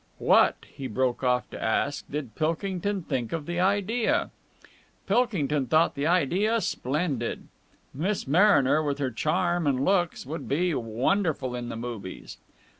What, he broke off to ask, did Pilkington think of the idea? Pilkington thought the idea splendid. Miss Mariner, with her charm and looks, would be wonderful in the movies.